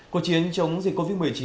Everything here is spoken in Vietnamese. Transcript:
cuộc chiến chống dịch covid một mươi chín